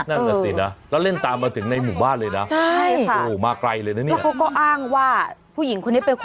นั่นแหละสินะแล้วเล่นตามมาถึงในหมู่บ้านเลยนะ